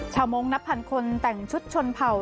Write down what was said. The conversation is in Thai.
ชาวมุ้งนับพันคนแต่งชุดชนเผ่า